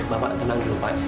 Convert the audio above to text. bapak tenang dulu pak